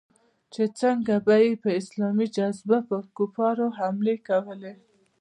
چې څنگه به يې په اسلامي جذبه پر کفارو حملې کولې.